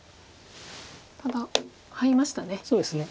ただハイましたね。